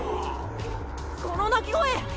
この鳴き声。